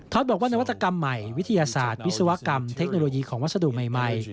บอกว่านวัตกรรมใหม่วิทยาศาสตร์วิศวกรรมเทคโนโลยีของวัสดุใหม่